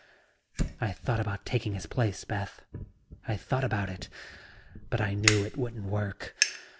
"I thought about taking his place, Beth. I thought about it but I knew it wouldn't work.